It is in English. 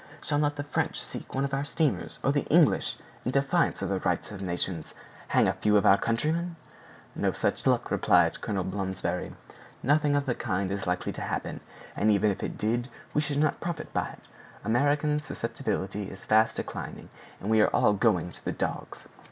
Shall not the French sink one of our steamers, or the English, in defiance of the rights of nations, hang a few of our countrymen?" "No such luck," replied Colonel Blomsberry; "nothing of the kind is likely to happen; and even if it did, we should not profit by it. American susceptibility is fast declining, and we are all going to the dogs."